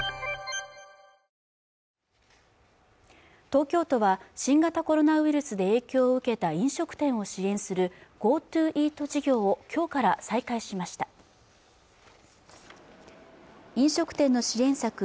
東京都は新型コロナウイルスで影響を受けた飲食店を支援するＧｏＴｏイート事業を今日から再開しました飲食店の支援策